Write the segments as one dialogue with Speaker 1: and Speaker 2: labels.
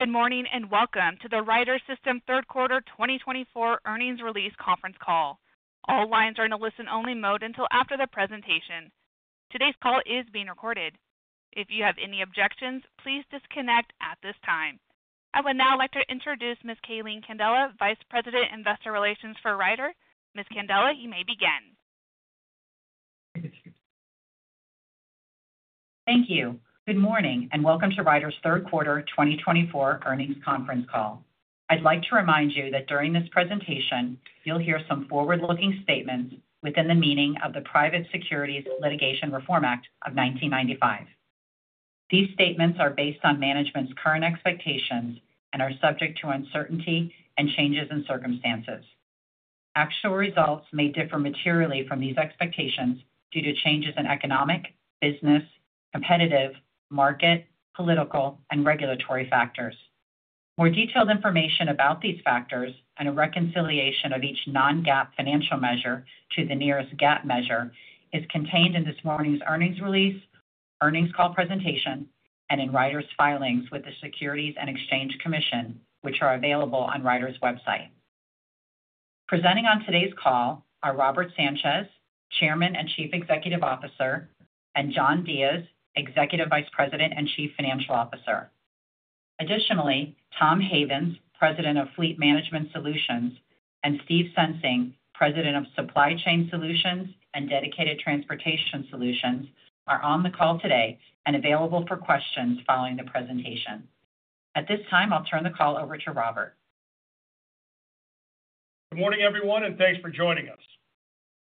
Speaker 1: Good morning, and welcome to the Ryder System Third Quarter 2024 earnings release conference call. All lines are in a listen-only mode until after the presentation. Today's call is being recorded. If you have any objections, please disconnect at this time. I would now like to introduce Ms. Calene Candela, Vice President, Investor Relations for Ryder. Ms. Candela, you may begin.
Speaker 2: Thank you. Good morning, and welcome to Ryder's third quarter 2024 earnings conference call. I'd like to remind you that during this presentation, you'll hear some forward-looking statements within the meaning of the Private Securities Litigation Reform Act of 1995. These statements are based on management's current expectations and are subject to uncertainty and changes in circumstances. Actual results may differ materially from these expectations due to changes in economic, business, competitive, market, political, and regulatory factors. More detailed information about these factors and a reconciliation of each non-GAAP financial measure to the nearest GAAP measure is contained in this morning's earnings release, earnings call presentation, and in Ryder's filings with the Securities and Exchange Commission, which are available on Ryder's website. Presenting on today's call are Robert Sanchez, Chairman and Chief Executive Officer, and John Diez, Executive Vice President and Chief Financial Officer. Additionally, Tom Havens, President of Fleet Management Solutions, and Steve Sensing, President of Supply Chain Solutions and Dedicated Transportation Solutions, are on the call today and available for questions following the presentation. At this time, I'll turn the call over to Robert.
Speaker 3: Good morning, everyone, and thanks for joining us.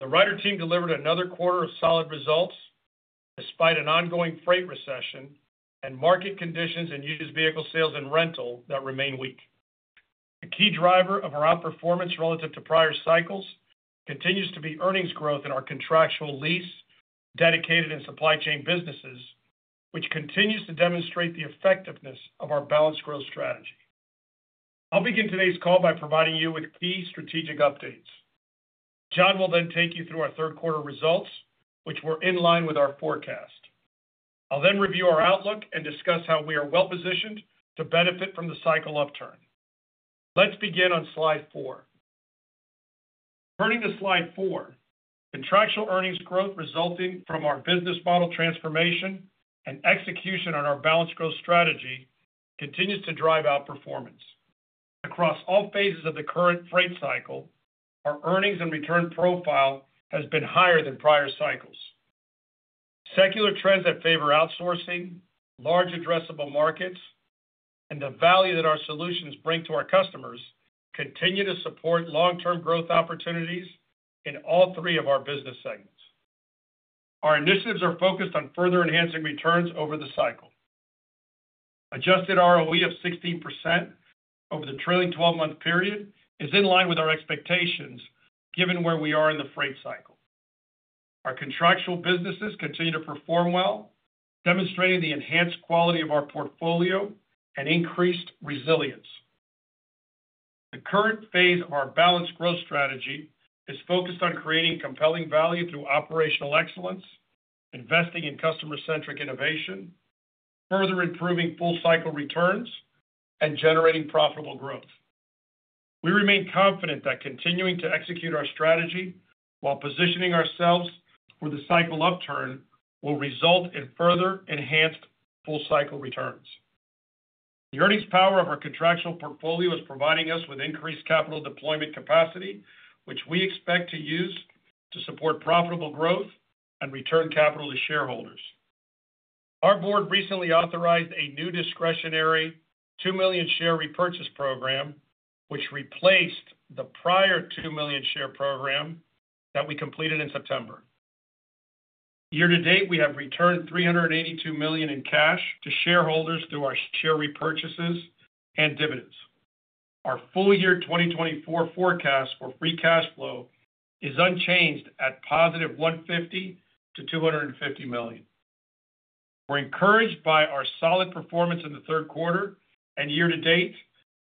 Speaker 3: The Ryder team delivered another quarter of solid results despite an ongoing freight recession and market conditions in used vehicle sales and rental that remain weak. The key driver of our outperformance relative to prior cycles continues to be earnings growth in our contractual lease, dedicated, and supply chain businesses, which continues to demonstrate the effectiveness of our balanced growth strategy. I'll begin today's call by providing you with key strategic updates. John will then take you through our third quarter results, which were in line with our forecast. I'll then review our outlook and discuss how we are well-positioned to benefit from the cycle upturn. Let's begin on slide four. Turning to slide four, contractual earnings growth resulting from our business model transformation and execution on our balanced growth strategy continues to drive outperformance. Across all phases of the current freight cycle, our earnings and return profile has been higher than prior cycles. Secular trends that favor outsourcing, large addressable markets, and the value that our solutions bring to our customers continue to support long-term growth opportunities in all three of our business segments. Our initiatives are focused on further enhancing returns over the cycle. Adjusted ROE of 16% over the trailing twelve-month period is in line with our expectations, given where we are in the freight cycle. Our contractual businesses continue to perform well, demonstrating the enhanced quality of our portfolio and increased resilience. The current phase of our balanced growth strategy is focused on creating compelling value through operational excellence, investing in customer-centric innovation, further improving full-cycle returns, and generating profitable growth. We remain confident that continuing to execute our strategy while positioning ourselves for the cycle upturn will result in further enhanced full-cycle returns. The earnings power of our contractual portfolio is providing us with increased capital deployment capacity, which we expect to use to support profitable growth and return capital to shareholders. Our board recently authorized a new discretionary 2 million share repurchase program, which replaced the prior 2 million share program that we completed in September. Year to date, we have returned $382 million in cash to shareholders through our share repurchases and dividends. Our full year 2024 forecast for free cash flow is unchanged at positive $150 million-$250 million. We're encouraged by our solid performance in the third quarter and year to date,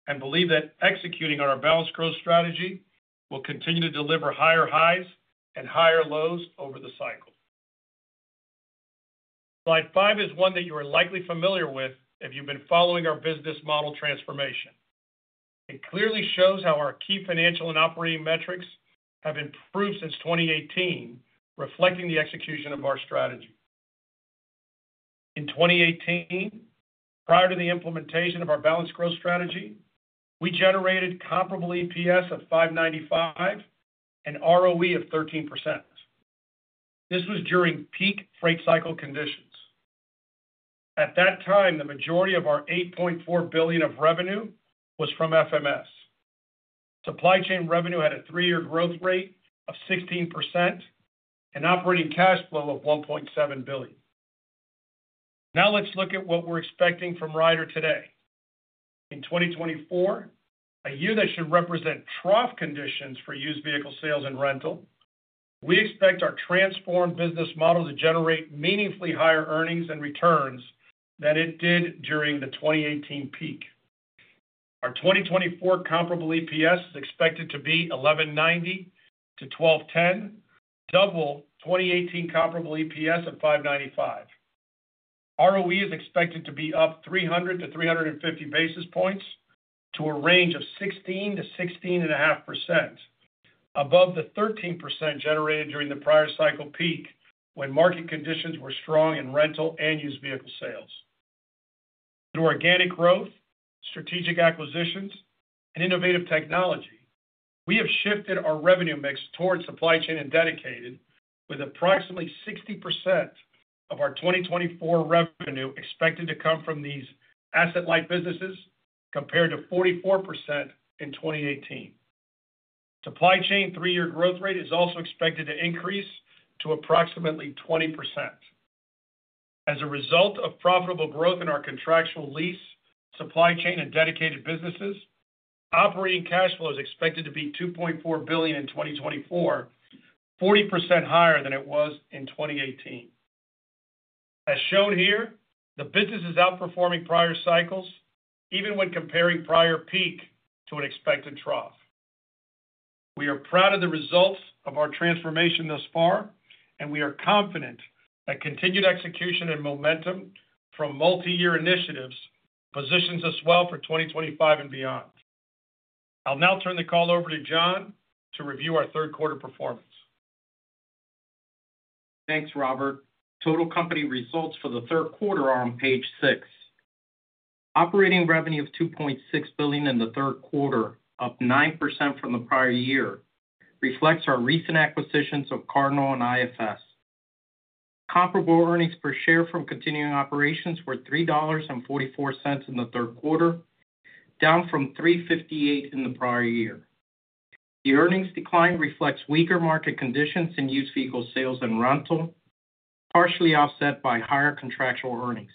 Speaker 3: and believe that executing on our balanced growth strategy will continue to deliver higher highs and higher lows over the cycle. Slide five is one that you are likely familiar with if you've been following our business model transformation. It clearly shows how our key financial and operating metrics have improved since 2018, reflecting the execution of our strategy. In 2018, prior to the implementation of our balanced growth strategy, we generated comparable EPS of $5.95 and ROE of 13%. This was during peak freight cycle conditions. At that time, the majority of our $8.4 billion of revenue was from FMS. Supply chain revenue had a three-year growth rate of 16% and operating cash flow of $1.7 billion. Now, let's look at what we're expecting from Ryder today. In 2024, a year that should represent trough conditions for used vehicle sales and rental, we expect our transformed business model to generate meaningfully higher earnings and returns than it did during the 2018 peak. Our 2024 Comparable EPS is expected to be $11.90-$12.10, double 2018 comparable EPS of $5.95. ROE is expected to be up 300 to 350 basis points to a range of 16%-16.5%, above the 13% generated during the prior cycle peak when market conditions were strong in rental and used vehicle sales. Through organic growth, strategic acquisitions, and innovative technology, we have shifted our revenue mix towards supply chain and dedicated with approximately 60% of our 2024 revenue expected to come from these asset-light businesses, compared to 44% in 2018. Supply chain three-year growth rate is also expected to increase to approximately 20%. As a result of profitable growth in our contractual lease, supply chain, and dedicated businesses, operating cash flow is expected to be $2.4 billion in 2024, 40% higher than it was in 2018. As shown here, the business is outperforming prior cycles, even when comparing prior peak to an expected trough. We are proud of the results of our transformation thus far, and we are confident that continued execution and momentum from multiyear initiatives positions us well for 2025 and beyond. I'll now turn the call over to John to review our third quarter performance.
Speaker 4: Thanks, Robert. Total company results for the third quarter are on page six. Operating revenue of $2.6 billion in the third quarter, up 9% from the prior year, reflects our recent acquisitions of Cardinal and IFS. Comparable earnings per share from continuing operations were $3.44 in the third quarter, down from $3.58 in the prior year. The earnings decline reflects weaker market conditions in used vehicle sales and rental, partially offset by higher contractual earnings.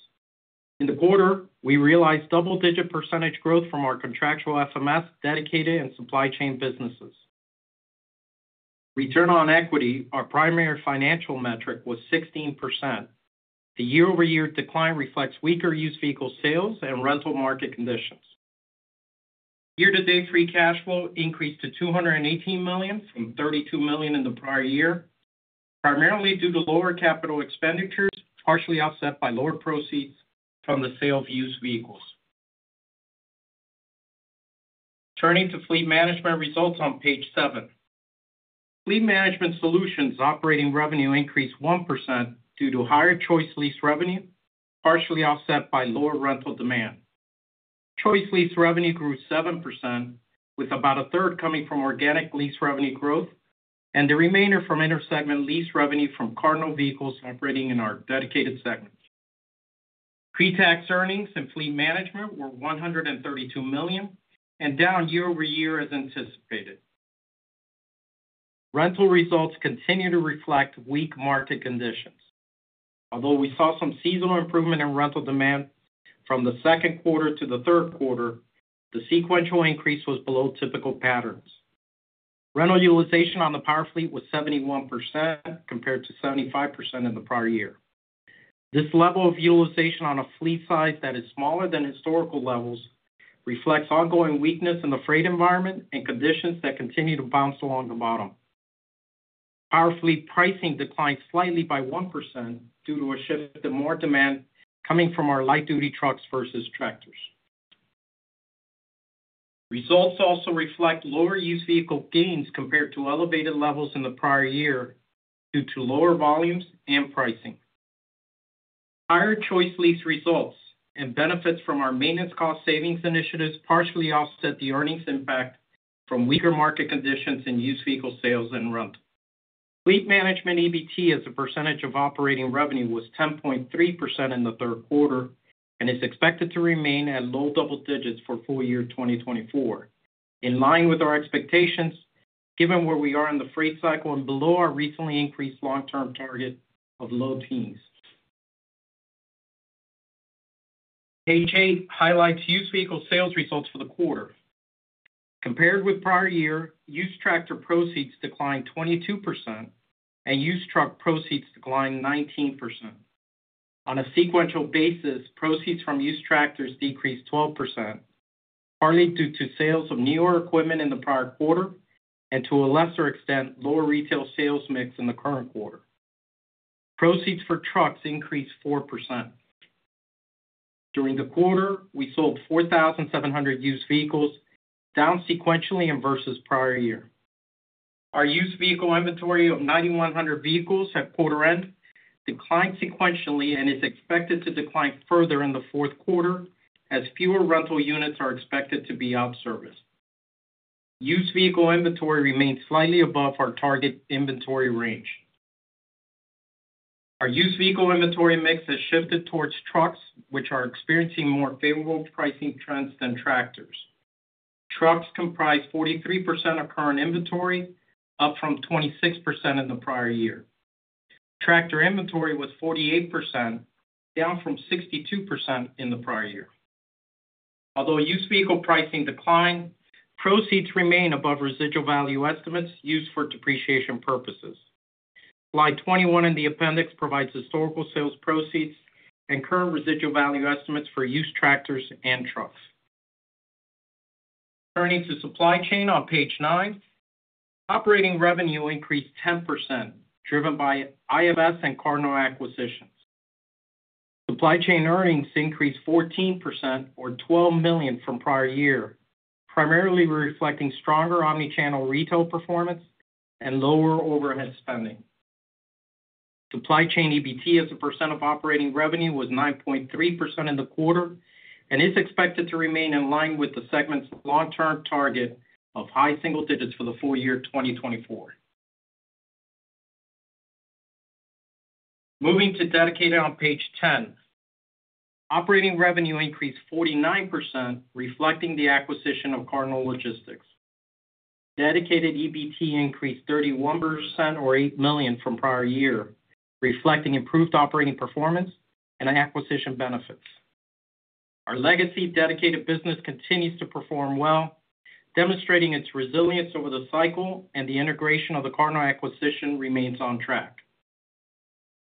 Speaker 4: In the quarter, we realized double-digit percentage growth from our contractual FMS, dedicated, and supply chain businesses. Return on equity, our primary financial metric, was 16%. The year-over-year decline reflects weaker used vehicle sales and rental market conditions. Year-to-date free cash flow increased to $218 million from $32 million in the prior year, primarily due to lower capital expenditures, partially offset by lower proceeds from the sale of used vehicles. Turning to fleet management results on page seven. Fleet Management Solutions operating revenue increased 1% due to higher ChoiceLease revenue, partially offset by lower rental demand. ChoiceLease revenue grew 7%, with about a third coming from organic lease revenue growth and the remainder from intersegment lease revenue from Cardinal vehicles operating in our dedicated segment. Pre-tax earnings in fleet management were $132 million, and down year-over-year as anticipated. Rental results continue to reflect weak market conditions. Although we saw some seasonal improvement in rental demand from the second quarter to the third quarter, the sequential increase was below typical patterns. Rental utilization on the Power Fleet was 71%, compared to 75% in the prior year. This level of utilization on a fleet size that is smaller than historical levels reflects ongoing weakness in the freight environment and conditions that continue to bounce along the bottom. Power Fleet pricing declined slightly by 1% due to a shift in more demand coming from our light-duty trucks versus tractors. Results also reflect lower used vehicle gains compared to elevated levels in the prior year due to lower volumes and pricing. Higher ChoiceLease results and benefits from our maintenance cost savings initiatives partially offset the earnings impact from weaker market conditions in used vehicle sales and rental. Fleet Management EBT, as a percentage of operating revenue, was 10.3% in the third quarter and is expected to remain at low double digits for full year 2024, in line with our expectations, given where we are in the freight cycle and below our recently increased long-term target of low teens. Page eight highlights used vehicle sales results for the quarter. Compared with prior year, used tractor proceeds declined 22%, and used truck proceeds declined 19%. On a sequential basis, proceeds from used tractors decreased 12%, partly due to sales of newer equipment in the prior quarter, and to a lesser extent, lower retail sales mix in the current quarter. Proceeds for trucks increased 4%. During the quarter, we sold 4,700 used vehicles, down sequentially and versus prior year. Our used vehicle inventory of 9,100 vehicles at quarter end declined sequentially and is expected to decline further in the fourth quarter as fewer rental units are expected to be out of service. Used vehicle inventory remains slightly above our target inventory range. Our used vehicle inventory mix has shifted towards trucks, which are experiencing more favorable pricing trends than tractors. Trucks comprise 43% of current inventory, up from 26% in the prior year. Tractor inventory was 48%, down from 62% in the prior year. Although used vehicle pricing declined, proceeds remain above residual value estimates used for depreciation purposes. Slide 21 in the appendix provides historical sales proceeds and current residual value estimates for used tractors and trucks. Turning to supply chain on page nine, operating revenue increased 10%, driven by IFS and Cardinal acquisitions. Supply Chain earnings increased 14% or $12 million from prior year, primarily reflecting stronger omnichannel retail performance and lower overhead spending. Supply Chain EBT as a percent of operating revenue was 9.3% in the quarter, and is expected to remain in line with the segment's long-term target of high single digits for the full year 2024. Moving to Dedicated on page 10. Operating revenue increased 49%, reflecting the acquisition of Cardinal Logistics. Dedicated EBT increased 31% or $8 million from prior year, reflecting improved operating performance and acquisition benefits. Our legacy dedicated business continues to perform well, demonstrating its resilience over the cycle and the integration of the Cardinal acquisition remains on track.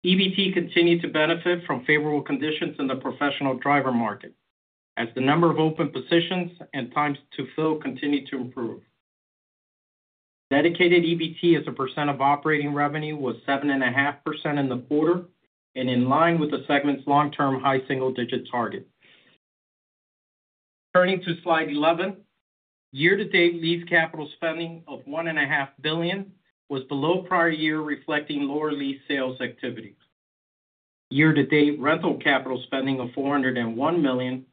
Speaker 4: EBT continued to benefit from favorable conditions in the professional driver market, as the number of open positions and times to fill continued to improve. Dedicated EBT as a percent of operating revenue was 7.5% in the quarter, and in line with the segment's long-term high single-digit target. Turning to slide 11. Year-to-date lease capital spending of $1.5 billion was below prior year, reflecting lower lease sales activity. Year-to-date rental capital spending of $401 million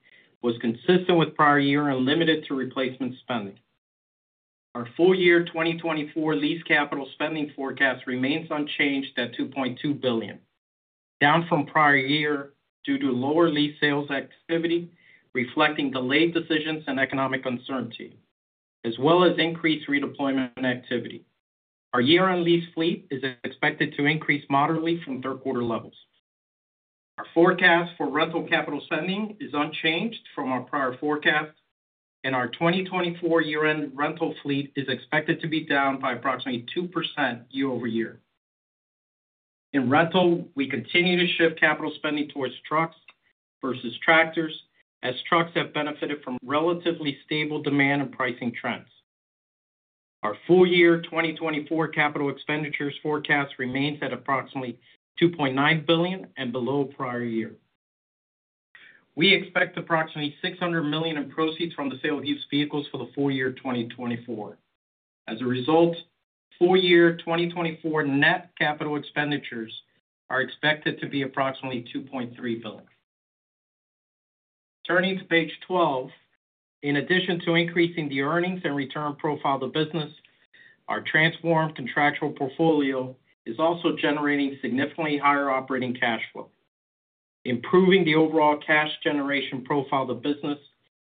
Speaker 4: was consistent with prior year and limited to replacement spending. Our full year 2024 lease capital spending forecast remains unchanged at $2.2 billion, down from prior year due to lower lease sales activity, reflecting delayed decisions and economic uncertainty, as well as increased redeployment activity. Our year-on-lease fleet is expected to increase moderately from third quarter levels. Our forecast for rental capital spending is unchanged from our prior forecast, and our 2024 year-end rental fleet is expected to be down by approximately 2% year-over-year. In rental, we continue to shift capital spending towards trucks versus tractors, as trucks have benefited from relatively stable demand and pricing trends. Our full year 2024 capital expenditures forecast remains at approximately $2.9 billion and below prior year. We expect approximately $600 million in proceeds from the sale of used vehicles for the full year 2024. As a result, full year 2024 net capital expenditures are expected to be approximately $2.3 billion. Turning to page 12. In addition to increasing the earnings and return profile of the business, our transformed contractual portfolio is also generating significantly higher operating cash flow. Improving the overall cash generation profile of the business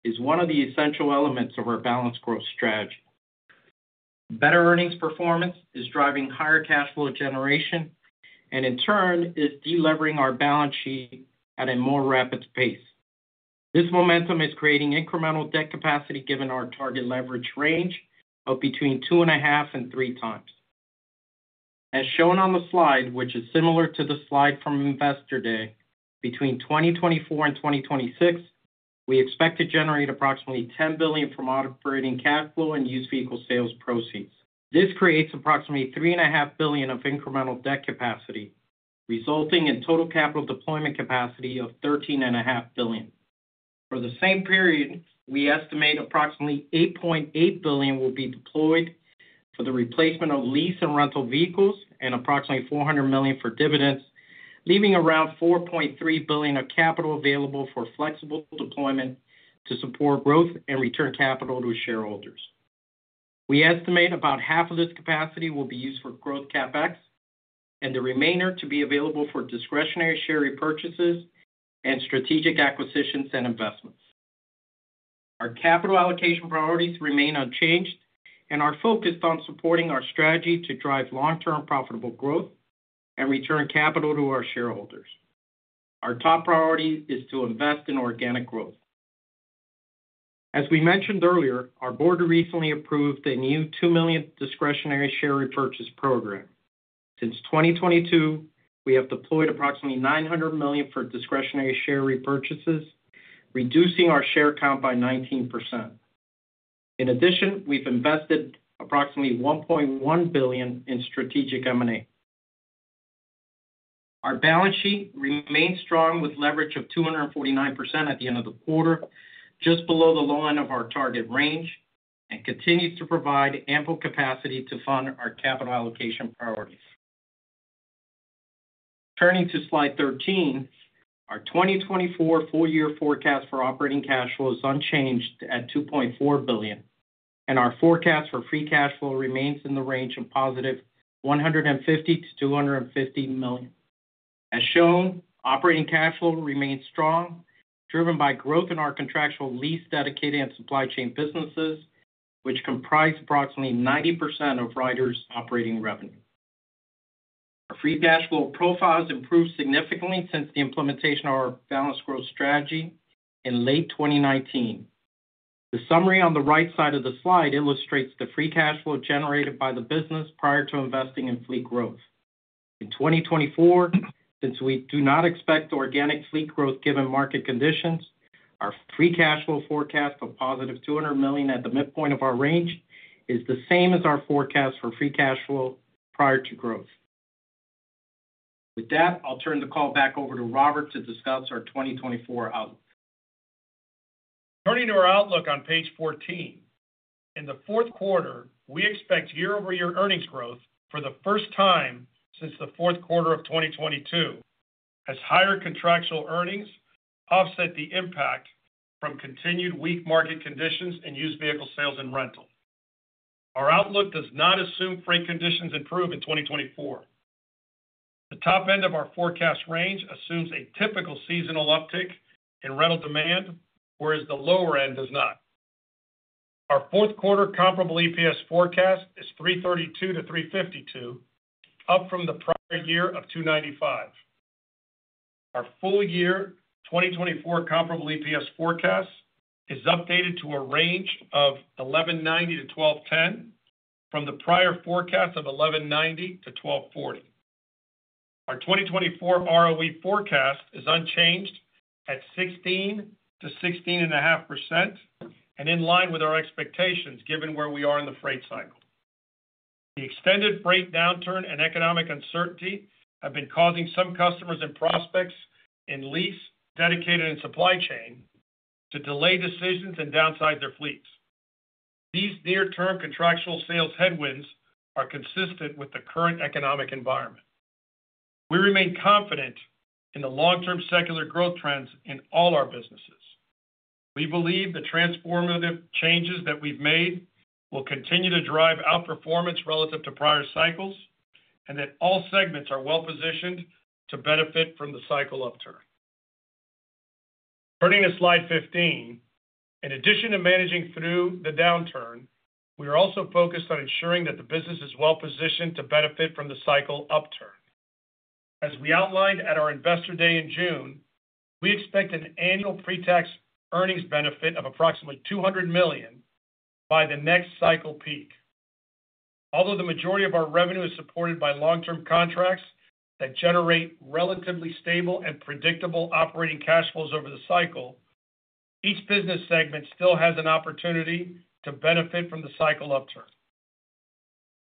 Speaker 4: is one of the essential elements of our balanced growth strategy. Better earnings performance is driving higher cash flow generation, and in turn, is deleveraging our balance sheet at a more rapid pace. This momentum is creating incremental debt capacity, given our target leverage range of between 2.5x and 3x. As shown on the slide, which is similar to the slide from Investor Day, between 2024 and 2026, we expect to generate approximately $10 billion from operating cash flow and used vehicle sales proceeds. This creates approximately $3.5 billion of incremental debt capacity, resulting in total capital deployment capacity of $13.5 billion. For the same period, we estimate approximately $8.8 billion will be deployed for the replacement of lease and rental vehicles, and approximately $400 million for dividends, leaving around $4.3 billion of capital available for flexible deployment to support growth and return capital to shareholders. We estimate about half of this capacity will be used for growth CapEx, and the remainder to be available for discretionary share repurchases and strategic acquisitions and investments. Our capital allocation priorities remain unchanged and are focused on supporting our strategy to drive long-term profitable growth and return capital to our shareholders. Our top priority is to invest in organic growth. As we mentioned earlier, our board recently approved a new 2 million discretionary share repurchase program. Since 2022, we have deployed approximately $900 million for discretionary share repurchases, reducing our share count by 19%. In addition, we've invested approximately $1.1 billion in strategic M&A. Our balance sheet remains strong, with leverage of 249% at the end of the quarter, just below the low end of our target range, and continues to provide ample capacity to fund our capital allocation priorities. Turning to slide 13. Our 2024 full year forecast for operating cash flow is unchanged at $2.4 billion, and our forecast for free cash flow remains in the range of $150 million-$250 million. As shown, operating cash flow remains strong, driven by growth in our contractual lease, dedicated, and supply chain businesses, which comprise approximately 90% of Ryder's operating revenue. Our free cash flow profile has improved significantly since the implementation of our balanced growth strategy in late 2019. The summary on the right side of the slide illustrates the free cash flow generated by the business prior to investing in fleet growth. In 2024, since we do not expect organic fleet growth given market conditions, our free cash flow forecast of $200 million at the midpoint of our range is the same as our forecast for free cash flow prior to growth. With that, I'll turn the call back over to Robert to discuss our 2024 outlook.
Speaker 3: Turning to our outlook on page 14. In the fourth quarter, we expect year-over-year earnings growth for the first time since the fourth quarter of 2022, as higher contractual earnings offset the impact from continued weak market conditions and used vehicle sales and rental. Our outlook does not assume freight conditions improve in 2024. The top end of our forecast range assumes a typical seasonal uptick in rental demand, whereas the lower end does not. Our fourth quarter comparable EPS forecast is $3.32-$3.52, up from the prior year of $2.95. Our full year 2024 comparable EPS forecast is updated to a range of $11.90-$12.10, from the prior forecast of $11.90-$12.40. Our 2024 ROE forecast is unchanged at 16%-16.5%, and in line with our expectations, given where we are in the freight cycle. The extended freight downturn and economic uncertainty have been causing some customers and prospects in lease, dedicated, and supply chain to delay decisions and downsize their fleets. These near-term contractual sales headwinds are consistent with the current economic environment. We remain confident in the long-term secular growth trends in all our businesses. We believe the transformative changes that we've made will continue to drive outperformance relative to prior cycles, and that all segments are well positioned to benefit from the cycle upturn. Turning to slide 15. In addition to managing through the downturn, we are also focused on ensuring that the business is well positioned to benefit from the cycle upturn. As we outlined at our Investor Day in June, we expect an annual pre-tax earnings benefit of approximately $200 million by the next cycle peak. Although the majority of our revenue is supported by long-term contracts that generate relatively stable and predictable operating cash flows over the cycle, each business segment still has an opportunity to benefit from the cycle upturn.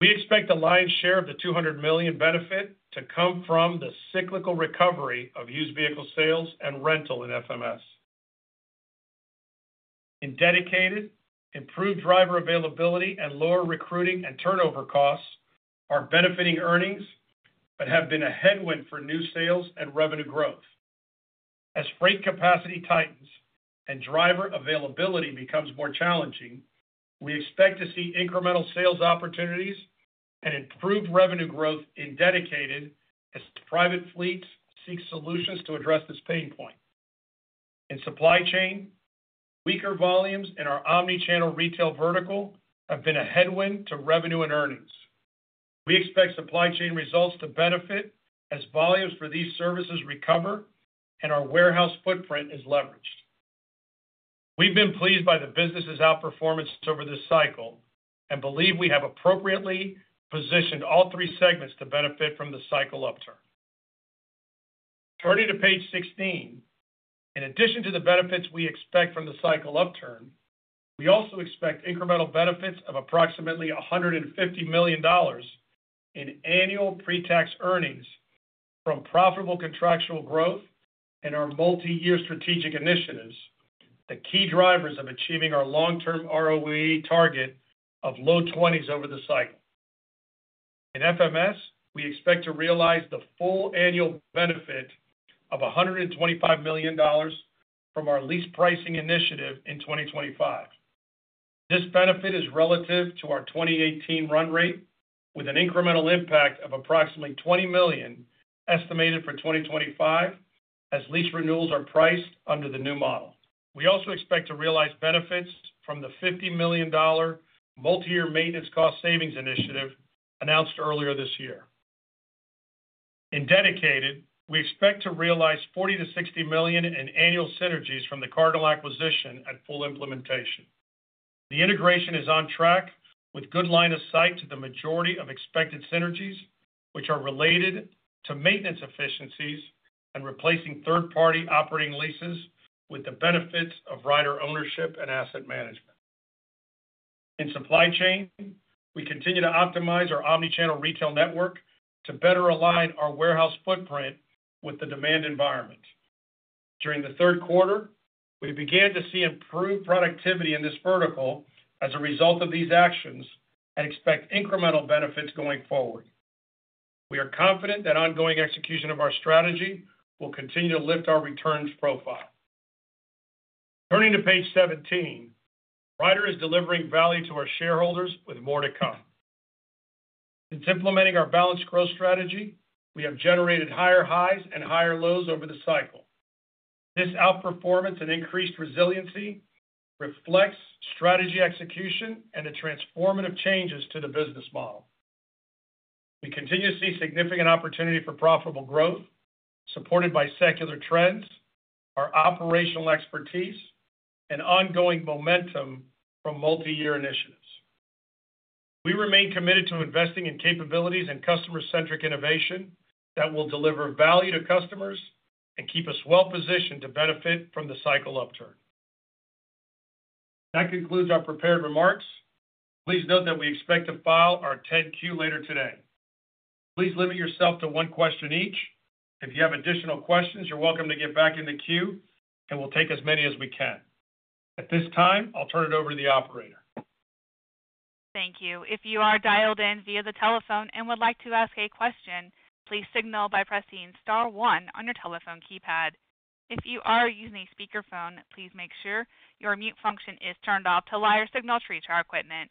Speaker 3: We expect the lion's share of the $200 million benefit to come from the cyclical recovery of used vehicle sales and rental in FMS. In Dedicated, improved driver availability and lower recruiting and turnover costs are benefiting earnings but have been a headwind for new sales and revenue growth. As freight capacity tightens and driver availability becomes more challenging, we expect to see incremental sales opportunities and improved revenue growth in Dedicated as private fleets seek solutions to address this pain point. In Supply Chain, weaker volumes in our omnichannel retail vertical have been a headwind to revenue and earnings. We expect supply chain results to benefit as volumes for these services recover and our warehouse footprint is leveraged. We've been pleased by the business's outperformance over this cycle and believe we have appropriately positioned all three segments to benefit from the cycle upturn. Turning to page 16. In addition to the benefits we expect from the cycle upturn, we also expect incremental benefits of approximately $150 million in annual pretax earnings from profitable contractual growth and our multiyear strategic initiatives, the key drivers of achieving our long-term ROE target of low twenties over the cycle. In FMS, we expect to realize the full annual benefit of $125 million from our lease pricing initiative in 2025. This benefit is relative to our 2018 run rate, with an incremental impact of approximately $20 million estimated for 2025, as lease renewals are priced under the new model. We also expect to realize benefits from the $50 million multiyear maintenance cost savings initiative announced earlier this year. In Dedicated, we expect to realize $40 million-$60 million in annual synergies from the Cardinal acquisition at full implementation. The integration is on track with good line of sight to the majority of expected synergies, which are related to maintenance efficiencies and replacing third-party operating leases with the benefits of Ryder ownership and asset management. In Supply Chain, we continue to optimize our omnichannel retail network to better align our warehouse footprint with the demand environment. During the third quarter, we began to see improved productivity in this vertical as a result of these actions and expect incremental benefits going forward. We are confident that ongoing execution of our strategy will continue to lift our returns profile. Turning to page 17. Ryder is delivering value to our shareholders with more to come. Since implementing our balanced growth strategy, we have generated higher highs and higher lows over the cycle. This outperformance and increased resiliency reflects strategy execution and the transformative changes to the business model. We continue to see significant opportunity for profitable growth, supported by secular trends, our operational expertise, and ongoing momentum from multi-year initiatives. We remain committed to investing in capabilities and customer-centric innovation that will deliver value to customers and keep us well-positioned to benefit from the cycle upturn. That concludes our prepared remarks. Please note that we expect to file our 10-Q later today. Please limit yourself to one question each. If you have additional questions, you're welcome to get back in the queue, and we'll take as many as we can. At this time, I'll turn it over to the operator.
Speaker 1: Thank you. If you are dialed in via the telephone and would like to ask a question, please signal by pressing star one on your telephone keypad. If you are using a speakerphone, please make sure your mute function is turned off to allow your signal to reach our equipment.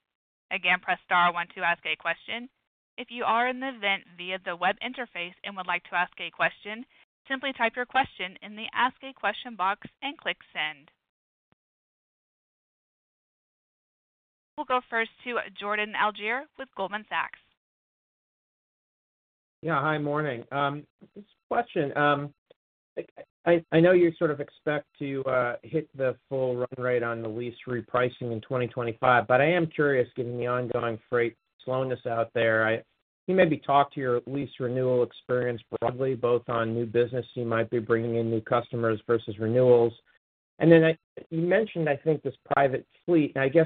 Speaker 1: Again, press star one to ask a question. If you are in the event via the web interface and would like to ask a question, simply type your question in the Ask a Question box and click send. We'll go first to Jordan Alliger with Goldman Sachs.
Speaker 5: Yeah, hi, morning. Just a question, I know you sort of expect to hit the full run rate on the lease repricing in 2025, but I am curious, given the ongoing freight slowness out there, can you maybe talk to your lease renewal experience broadly, both on new business, you might be bringing in new customers versus renewals and then you mentioned, I think, this private fleet, and I guess,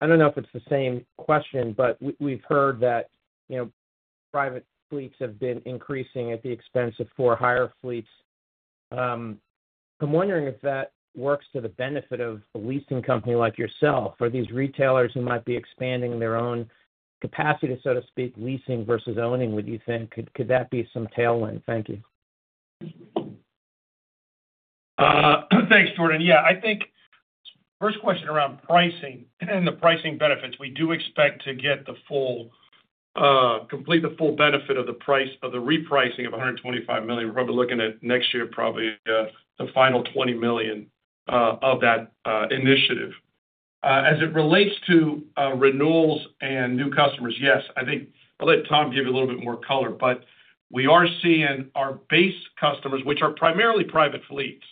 Speaker 5: I don't know if it's the same question, but we've heard that, you know, private fleets have been increasing at the expense of for-hire fleets. I'm wondering if that works to the benefit of a leasing company like yourself, or these retailers who might be expanding their own capacity, so to speak, leasing versus owning, would you think, could that be some tailwind? Thank you.
Speaker 3: Thanks, Jordan. Yeah, I think first question around pricing and the pricing benefits, we do expect to get the full, complete the full benefit of the price of the repricing of $125 million. We're probably looking at next year, probably, the final $20 million, of that, initiative. As it relates to, renewals and new customers, yes, I think I'll let Tom give you a little bit more color, but we are seeing our base customers, which are primarily private fleets,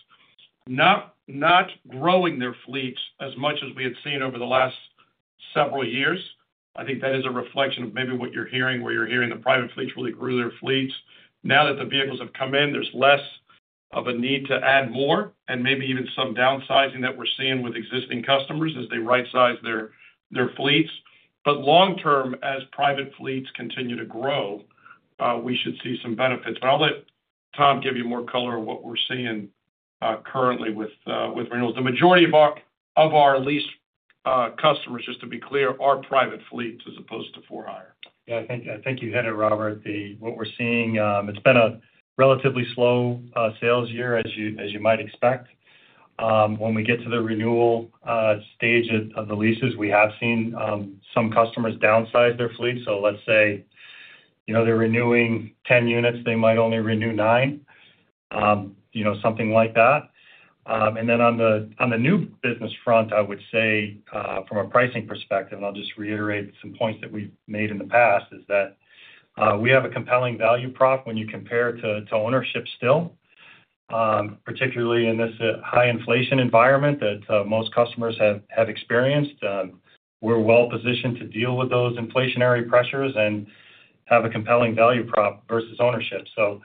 Speaker 3: not growing their fleets as much as we had seen over the last several years. I think that is a reflection of maybe what you're hearing, where you're hearing the private fleets really grew their fleets. Now that the vehicles have come in, there's less of a need to add more, and maybe even some downsizing that we're seeing with existing customers as they right-size their fleets. But long term, as private fleets continue to grow, we should see some benefits. But I'll let Tom give you more color on what we're seeing currently with renewals. The majority of our lease customers, just to be clear, are private fleets as opposed to for-hire.
Speaker 6: Yeah, I think, I think you hit it, Robert. What we're seeing, it's been a relatively slow sales year, as you, as you might expect. When we get to the renewal stage of the leases, we have seen some customers downsize their fleet. So let's say, you know, they're renewing 10 units, they might only renew nine, you know, something like that. Then on the new business front, I would say from a pricing perspective, and I'll just reiterate some points that we've made in the past, is that we have a compelling value prop when you compare to ownership still, particularly in this high inflation environment that most customers have experienced. We're well positioned to deal with those inflationary pressures and have a compelling value prop versus ownership. So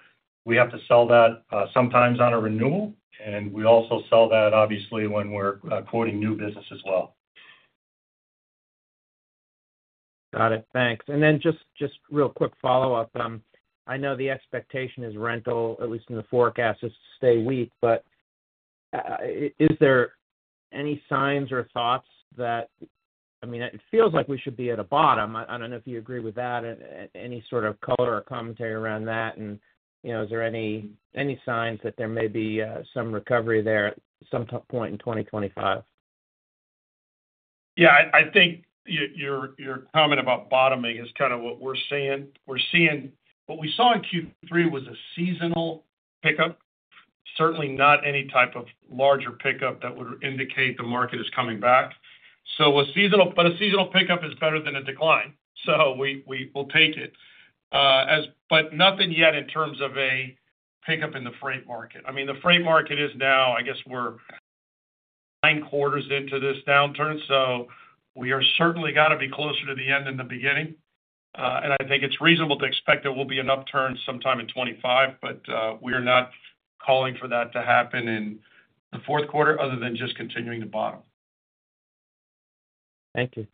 Speaker 6: we have to sell that, sometimes on a renewal, and we also sell that, obviously, when we're quoting new business as well.
Speaker 5: Got it. Thanks. And then just real quick follow-up. I know the expectation is rental, at least in the forecast, is to stay weak, but is there any signs or thoughts that... I mean, it feels like we should be at a bottom. I don't know if you agree with that, any sort of color or commentary around that, and, you know, is there any signs that there may be some recovery there at some point in 2025?
Speaker 3: Yeah, I think your comment about bottoming is kind of what we're seeing. We're seeing what we saw in Q3 was a seasonal pickup. Certainly not any type of larger pickup that would indicate the market is coming back. So a seasonal pickup is better than a decline, so we will take it. But nothing yet in terms of a pickup in the freight market. I mean, the freight market is now, I guess, we're nine quarters into this downturn, so we are certainly gotta be closer to the end than the beginning. And I think it's reasonable to expect there will be an upturn sometime in 2025, but we are not calling for that to happen in the fourth quarter other than just continuing to bottom.
Speaker 5: Thank you.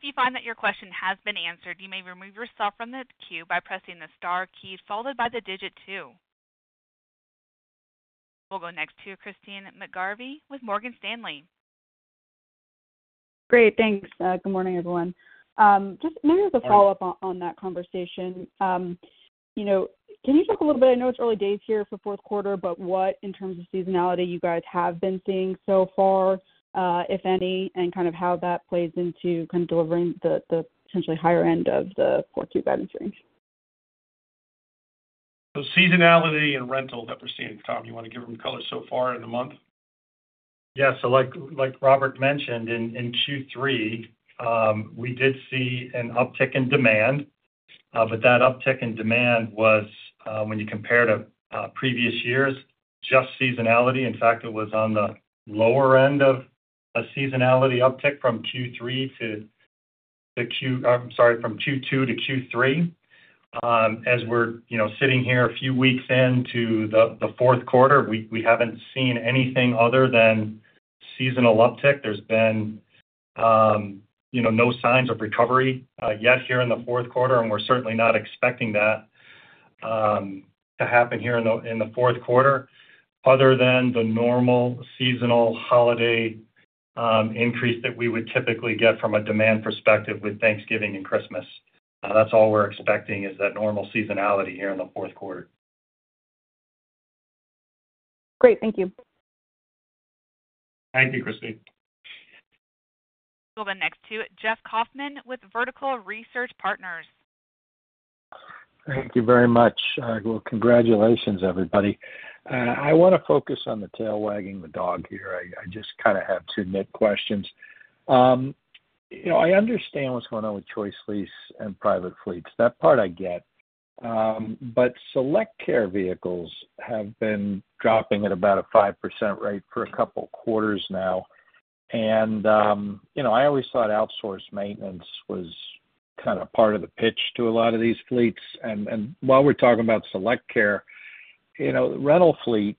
Speaker 1: If you find that your question has been answered, you may remove yourself from the queue by pressing the star key followed by the digit two. We'll go next to Christine McGarvey with Morgan Stanley.
Speaker 7: Great. Thanks. Good morning, everyone. Just maybe as a follow-up on that conversation. You know, can you talk a little bit? I know it's early days here for fourth quarter, but what in terms of seasonality you guys have been seeing so far, if any, and kind of how that plays into kind of delivering the potentially higher end of the fourth Q guidance range?...
Speaker 3: So seasonality and rental that we're seeing, Tom, you want to give them color so far in the month?
Speaker 6: Yeah, so like, like Robert mentioned, in, in Q3, we did see an uptick in demand. But that uptick in demand was, when you compare to, previous years, just seasonality. In fact, it was on the lower end of a seasonality uptick from Q2 to Q3. As we're, you know, sitting here a few weeks into the fourth quarter, we haven't seen anything other than seasonal uptick. There's been, you know, no signs of recovery, yet here in the fourth quarter, and we're certainly not expecting that, to happen here in the fourth quarter, other than the normal seasonal holiday, increase that we would typically get from a demand perspective with Thanksgiving and Christmas. That's all we're expecting, is that normal seasonality here in the fourth quarter.
Speaker 7: Great. Thank you.
Speaker 3: Thank you, Christine.
Speaker 1: We'll go then next to Jeff Kauffman with Vertical Research Partners.
Speaker 8: Thank you very much. Well, congratulations, everybody. I wanna focus on the tail wagging the dog here. I just kind of have two main questions. You know, I understand what's going on with ChoiceLease and private fleets. That part I get. But SelectCare vehicles have been dropping at about a 5% rate for a couple quarters now. And you know, I always thought outsourced maintenance was kind of part of the pitch to a lot of these fleets. While we're talking about SelectCare, you know, rental fleet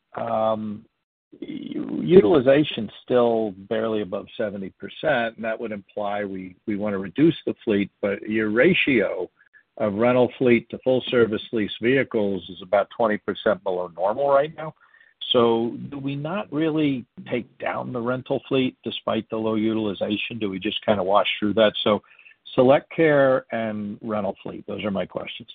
Speaker 8: utilization is still barely above 70%, and that would imply we wanna reduce the fleet, but your ratio of rental fleet to full-service lease vehicles is about 20% below normal right now. So do we not really take down the rental fleet despite the low utilization? Do we just kind of wash through that? So SelectCare and rental fleet, those are my questions.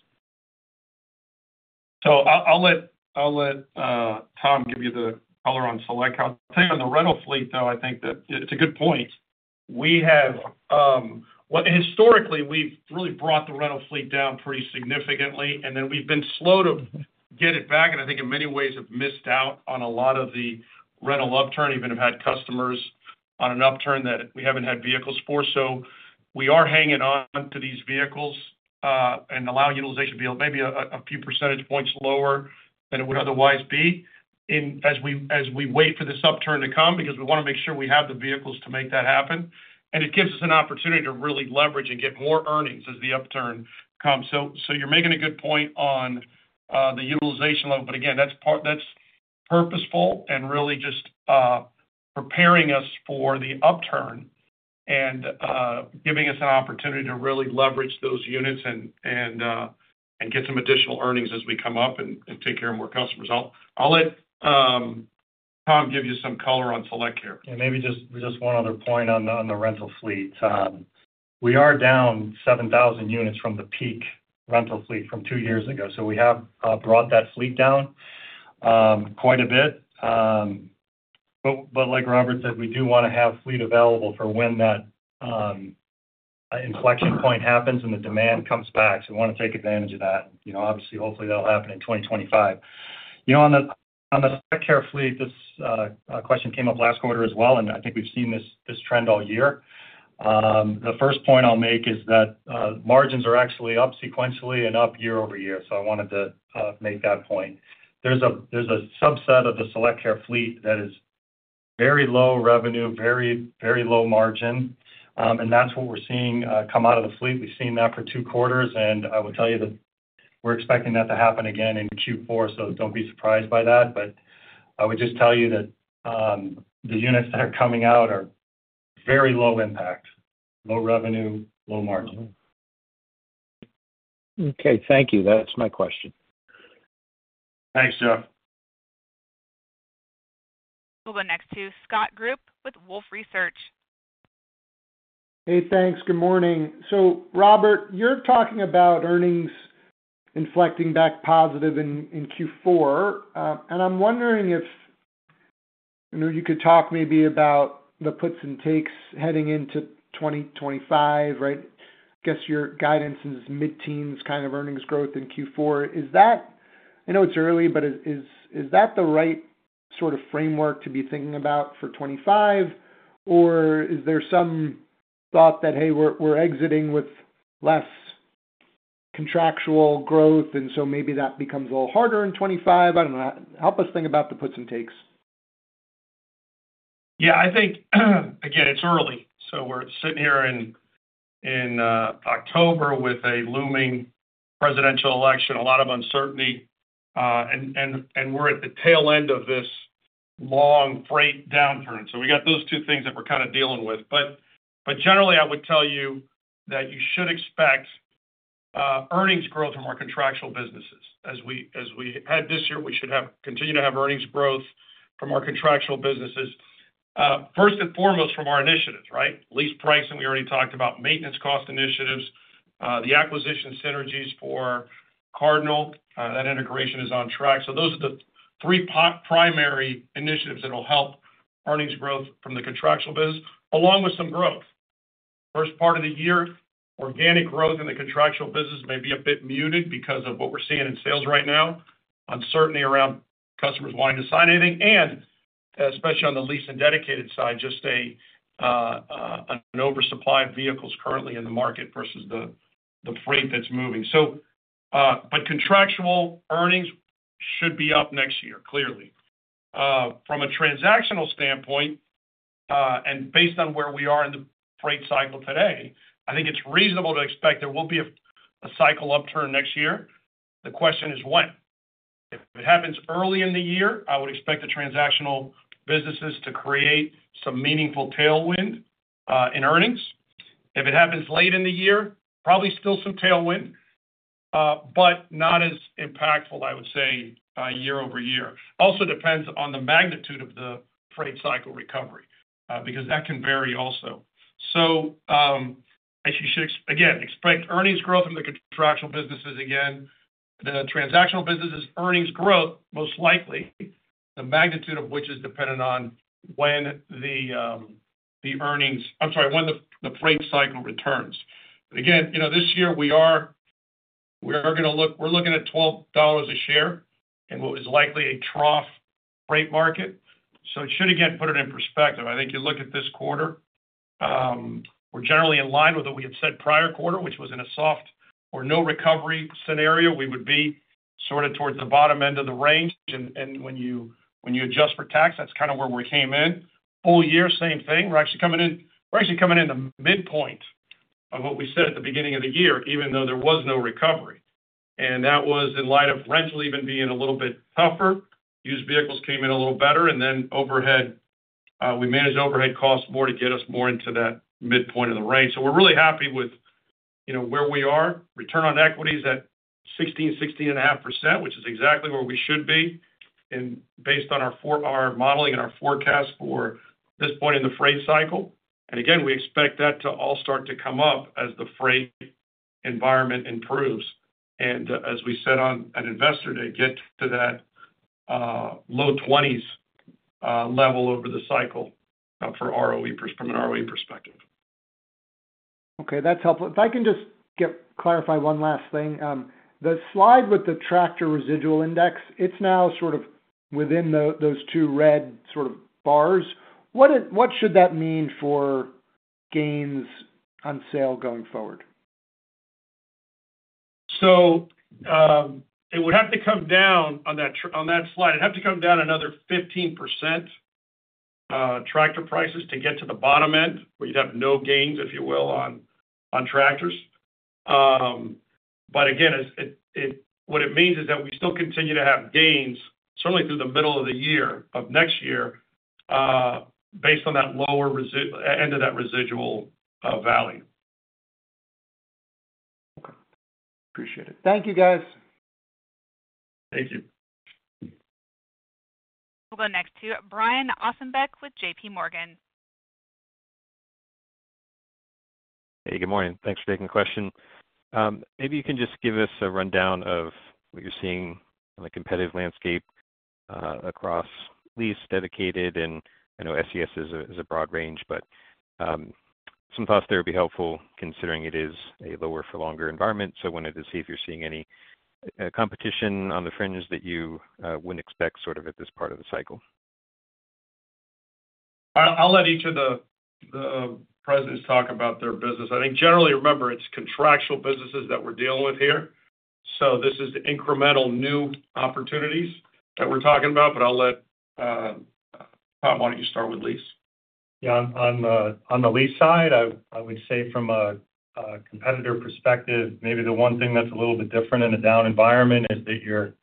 Speaker 3: I'll let Tom give you the color on SelectCare. I'll tell you, on the rental fleet, though, I think that it's a good point. We have. Well, historically, we've really brought the rental fleet down pretty significantly, and then we've been slow to get it back, and I think in many ways have missed out on a lot of the rental upturn, even have had customers on an upturn that we haven't had vehicles for. So we are hanging on to these vehicles, and allowing utilization to be maybe a few percentage points lower than it would otherwise be, as we wait for this upturn to come, because we wanna make sure we have the vehicles to make that happen. And it gives us an opportunity to really leverage and get more earnings as the upturn comes. So you're making a good point on the utilization level, but again, that's purposeful and really just preparing us for the upturn and get some additional earnings as we come up and take care of more customers. I'll let Tom give you some color on SelectCare.
Speaker 6: Yeah, maybe just one other point on the rental fleet. We are down seven thousand units from the peak rental fleet from two years ago, so we have brought that fleet down quite a bit. But like Robert said, we do wanna have fleet available for when that inflection point happens and the demand comes back. So we wanna take advantage of that. You know, obviously, hopefully, that'll happen in 2025. You know, on the SelectCare fleet, this question came up last quarter as well, and I think we've seen this trend all year. The first point I'll make is that margins are actually up sequentially and up year over year, so I wanted to make that point. There's a subset of the SelectCare fleet that is very low revenue, very, very low margin, and that's what we're seeing come out of the fleet. We've seen that for two quarters, and I will tell you that we're expecting that to happen again in Q4, so don't be surprised by that. But I would just tell you that the units that are coming out are very low impact, low revenue, low margin.
Speaker 8: Okay, thank you. That's my question.
Speaker 3: Thanks, Jeff.
Speaker 1: We'll go next to Scott Group with Wolfe Research.
Speaker 9: Hey, thanks. Good morning. So Robert, you're talking about earnings inflecting back positive in Q4. And I'm wondering if, you know, you could talk maybe about the puts and takes heading into 2025, right? I guess your guidance is mid-teens kind of earnings growth in Q4. Is that? I know it's early, but is that the right sort of framework to be thinking about for 2025, or is there some thought that, hey, we're exiting with less contractual growth, and so maybe that becomes a little harder in 2025? I don't know. Help us think about the puts and takes.
Speaker 3: Yeah, I think, again, it's early, so we're sitting here in October with a looming presidential election, a lot of uncertainty, and we're at the tail end of this long freight downturn. So we got those two things that we're kind of dealing with. But generally, I would tell you that you should expect earnings growth from our contractual businesses. As we had this year, we should continue to have earnings growth from our contractual businesses. First and foremost, from our initiatives, right? Lease pricing, we already talked about, maintenance cost initiatives, the acquisition synergies for Cardinal, that integration is on track. So those are the three primary initiatives that will help earnings growth from the contractual business, along with some growth. First part of the year, organic growth in the contractual business may be a bit muted because of what we're seeing in sales right now, uncertainty around customers wanting to sign anything, and especially on the lease and dedicated side, just an oversupply of vehicles currently in the market versus the freight that's moving. So, but contractual earnings should be up next year, clearly. From a transactional standpoint, and based on where we are in the freight cycle today, I think it's reasonable to expect there will be a cycle upturn next year. The question is when. If it happens early in the year, I would expect the transactional businesses to create some meaningful tailwind in earnings. If it happens late in the year, probably still some tailwind, but not as impactful, I would say, year-over-year. Also depends on the magnitude of the freight cycle recovery, because that can vary also. So, I should again expect earnings growth in the contractual businesses again. The transactional businesses, earnings growth, most likely, the magnitude of which is dependent on when the freight cycle returns. But again, you know, this year we're looking at $12 a share in what is likely a trough freight market. So it should again put it in perspective. I think you look at this quarter, we're generally in line with what we had said prior quarter, which was in a soft or no recovery scenario. We would be sort of towards the bottom end of the range. And when you adjust for tax, that's kind of where we came in. Full year, same thing. We're actually coming in the midpoint of what we said at the beginning of the year, even though there was no recovery, and that was in light of rental even being a little bit tougher. Used vehicles came in a little better, and then overhead, we managed overhead costs more to get us more into that midpoint of the range. So we're really happy with, you know, where we are. Return on equity is at 16/16.5%, which is exactly where we should be, and based on our modeling and our forecast for this point in the freight cycle. And again, we expect that to all start to come up as the freight environment improves, and as we said on an investor day, get to that low twenties level over the cycle for ROE, from an ROE perspective.
Speaker 9: Okay, that's helpful. If I can just get to clarify one last thing. The slide with the tractor residual index, it's now sort of within those two red sort of bars. What it... What should that mean for gains on sale going forward?
Speaker 3: It would have to come down on that slide. It'd have to come down another 15% tractor prices to get to the bottom end, where you'd have no gains, if you will, on tractors, but again, what it means is that we still continue to have gains, certainly through the middle of the year of next year, based on that lower end of that residual value.
Speaker 9: Okay. Appreciate it. Thank you, guys.
Speaker 3: Thank you.
Speaker 1: We'll go next to Brian Ossenbeck with J.P. Morgan.
Speaker 10: Hey, good morning. Thanks for taking the question. Maybe you can just give us a rundown of what you're seeing in the competitive landscape across lease, Dedicated, and I know SCS is a broad range, but some thoughts there would be helpful, considering it is a lower for longer environment. So wanted to see if you're seeing any competition on the fringes that you wouldn't expect sort of at this part of the cycle.
Speaker 3: I'll let each of the presidents talk about their business. I think generally, remember, it's contractual businesses that we're dealing with here. So this is incremental new opportunities that we're talking about, but I'll let Tom, why don't you start with lease?
Speaker 6: Yeah, on the lease side, I would say from a competitor perspective, maybe the one thing that's a little bit different in a down environment is that you're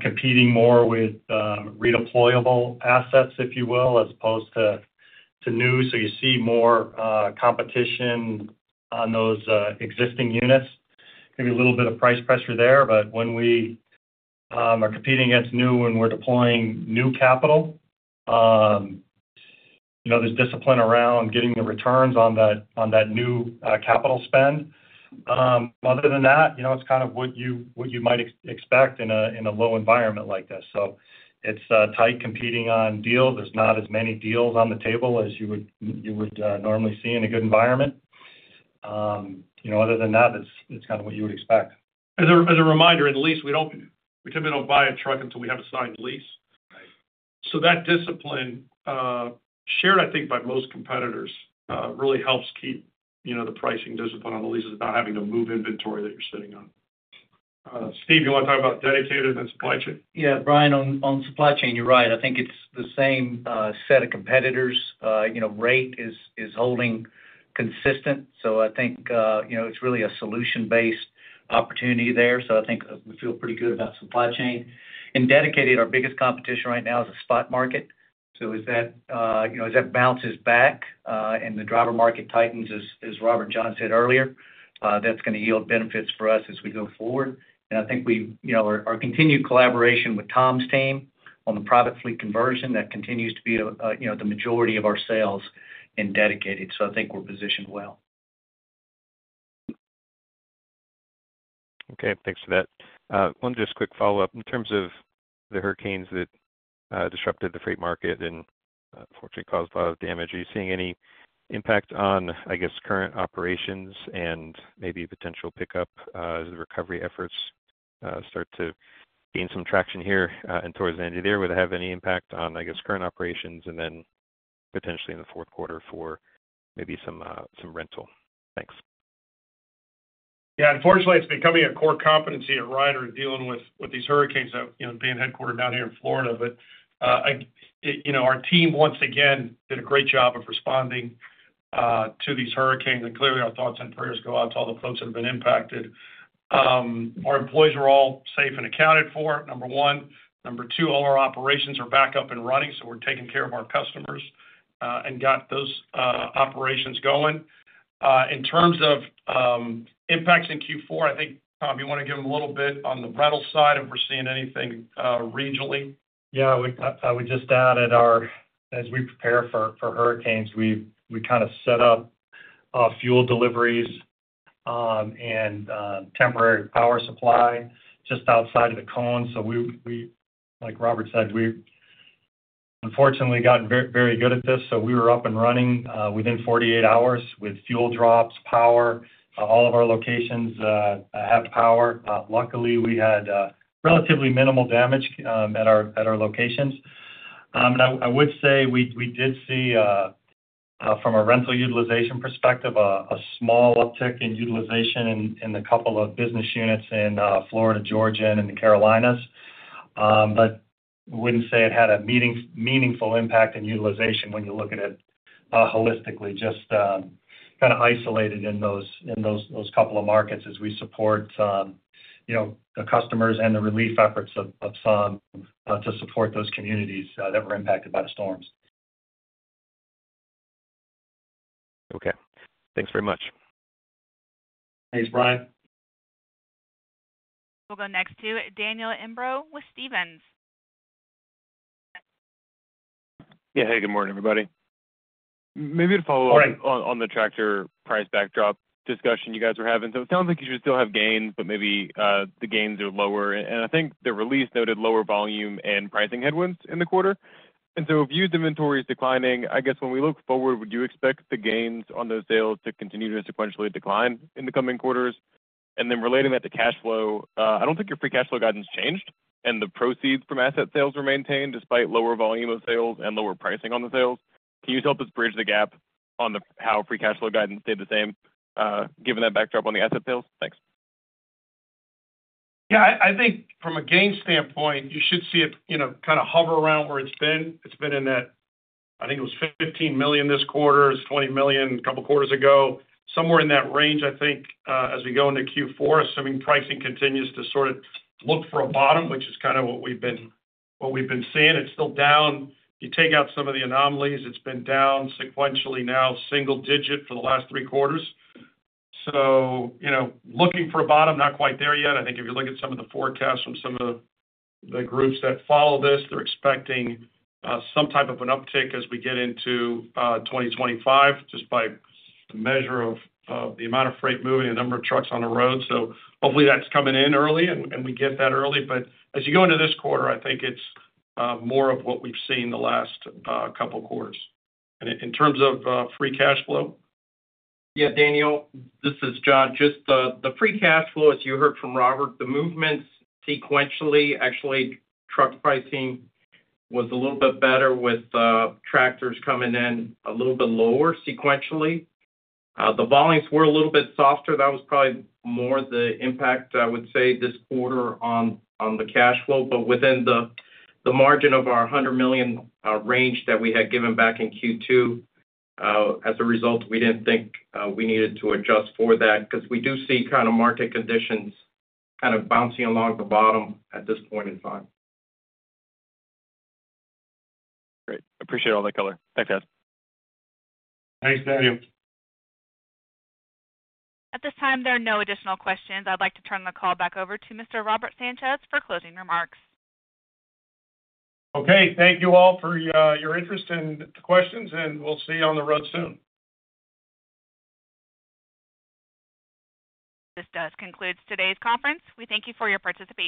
Speaker 6: competing more with redeployable assets, if you will, as opposed to new. So you see more competition on those existing units. Maybe a little bit of price pressure there, but when we are competing against new and we're deploying new capital, you know, there's discipline around getting the returns on that new capital spend. Other than that, you know, it's kind of what you might expect in a low environment like this. So it's tight competing on deals. There's not as many deals on the table as you would normally see in a good environment. You know, other than that, it's kind of what you would expect.
Speaker 3: As a reminder, in the lease, we typically don't buy a truck until we have a signed lease.
Speaker 6: Right.
Speaker 3: So that discipline, shared, I think, by most competitors, really helps keep, you know, the pricing discipline on the leases without having to move inventory that you're sitting on. Steve, you want to talk about dedicated and supply chain?
Speaker 11: Yeah, Brian, on supply chain, you're right. I think it's the same set of competitors. You know, rate is holding consistent, so I think, you know, it's really a solution-based opportunity there. So I think we feel pretty good about supply chain. In dedicated, our biggest competition right now is the spot market. So as that, you know, as that bounces back, and the driver market tightens, as Robert and John said earlier, that's gonna yield benefits for us as we go forward. And I think we... You know, our continued collaboration with Tom's team on the private fleet conversion, that continues to be a, you know, the majority of our sales in dedicated. So I think we're positioned well.
Speaker 10: Okay, thanks for that. One just quick follow-up. In terms of the hurricanes that disrupted the freight market and fortunately caused a lot of damage, are you seeing any impact on, I guess, current operations and maybe potential pickup as the recovery efforts start to gain some traction here and towards the end of the year? Would it have any impact on, I guess, current operations and then potentially in the fourth quarter for maybe some rental? Thanks.
Speaker 3: Yeah, unfortunately, it's becoming a core competency at Ryder dealing with these hurricanes that, you know, being headquartered down here in Florida. But, you know, our team, once again, did a great job of responding to these hurricanes, and clearly, our thoughts and prayers go out to all the folks that have been impacted. Our employees are all safe and accounted for, number one. Number two, all our operations are back up and running, so we're taking care of our customers, and got those operations going. In terms of impacts in Q4, I think, Tom, you want to give them a little bit on the rental side, if we're seeing anything regionally?
Speaker 6: Yeah, we just added our. As we prepare for hurricanes, we kind of set up fuel deliveries and temporary power supply just outside of the cone. So we, like Robert said, we've unfortunately gotten very good at this, so we were up and running within 48 hours with fuel drops, power. All of our locations have power. Luckily, we had relatively minimal damage at our locations. And I would say we did see from a rental utilization perspective, a small uptick in utilization in a couple of business units in Florida, Georgia, and in the Carolinas. But wouldn't say it had a meaningful impact in utilization when you look at it holistically, just kind of isolated in those couple of markets as we support you know the customers and the relief efforts of some to support those communities that were impacted by the storms.
Speaker 10: Okay. Thanks very much.
Speaker 3: Thanks, Brian.
Speaker 1: We'll go next to Daniel Imbro with Stephens.
Speaker 12: Yeah. Hey, good morning, everybody. Maybe to follow up-
Speaker 3: Morning.
Speaker 12: On, on the tractor price backdrop discussion you guys were having. So it sounds like you should still have gains, but maybe the gains are lower. And I think the release noted lower volume and pricing headwinds in the quarter. And so if used inventory is declining, I guess when we look forward, would you expect the gains on those sales to continue to sequentially decline in the coming quarters? And then relating that to cash flow, I don't think your free cash flow guidance changed, and the proceeds from asset sales were maintained despite lower volume of sales and lower pricing on the sales. Can you help us bridge the gap on how free cash flow guidance stayed the same, given that backdrop on the asset sales? Thanks.
Speaker 3: Yeah, I think from a gain standpoint, you should see it, you know, kind of hover around where it's been. It's been in that, I think it was $15 million this quarter, it's $20 million a couple quarters ago. Somewhere in that range, I think, as we go into Q4, assuming pricing continues to sort of look for a bottom, which is kind of what we've been seeing. It's still down. You take out some of the anomalies, it's been down sequentially now, single digit for the last three quarters. So, you know, looking for a bottom, not quite there yet. I think if you look at some of the forecasts from some of the groups that follow this, they're expecting some type of an uptick as we get into 2025, just by the measure of the amount of freight moving and number of trucks on the road. So hopefully, that's coming in early and we get that early. But as you go into this quarter, I think it's more of what we've seen the last couple quarters. And in terms of free cash flow?
Speaker 4: Yeah, Daniel, this is John. Just the free cash flow, as you heard from Robert, the movements sequentially, actually, truck pricing was a little bit better, with tractors coming in a little bit lower sequentially. The volumes were a little bit softer. That was probably more the impact, I would say, this quarter on the cash flow, but within the margin of our $100 million range that we had given back in Q2. As a result, we didn't think we needed to adjust for that because we do see kind of market conditions kind of bouncing along the bottom at this point in time.
Speaker 12: Great. Appreciate all that color. Thanks, guys.
Speaker 3: Thanks, Daniel.
Speaker 1: At this time, there are no additional questions. I'd like to turn the call back over to Mr. Robert Sanchez for closing remarks.
Speaker 3: Okay. Thank you all for your interest and the questions, and we'll see you on the road soon.
Speaker 1: This does conclude today's conference. We thank you for your participation.